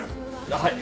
はい。